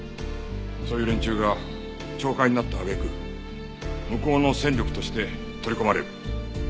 そういう連中が懲戒になった揚げ句向こうの戦力として取り込まれる。